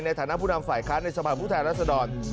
ในฐานะผู้นำฝ่ายค้านในสภาพผู้แทนรัศดร